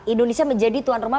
indonesia menjadi tuan rumah